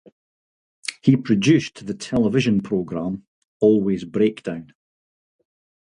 He produced the television program "Always Breakdown".